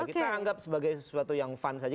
kita anggap sebagai sesuatu yang fun saja